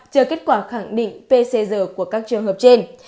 chờ kết quả khẳng định pcr của các trường hợp trên